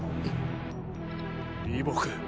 李牧。